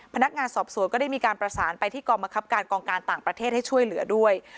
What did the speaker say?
พนักงานสอบสวนก็ได้มีการประสานไปที่กองบังคับการกองการต่างประเทศให้ช่วยเหลือด้วย